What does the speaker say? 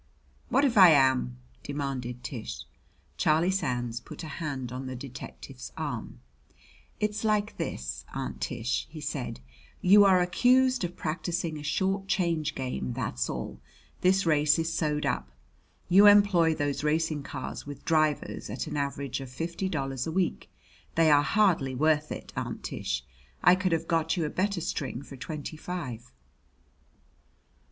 "What if I am?" demanded Tish. Charlie Sands put a hand on the detective's arm. "It's like this, Aunt Tish," he said; "you are accused of practicing a short change game, that's all. This race is sewed up. You employ those racing cars with drivers at an average of fifty dollars a week. They are hardly worth it, Aunt Tish. I could have got you a better string for twenty five."